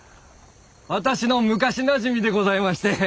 私の昔なじみでございまして。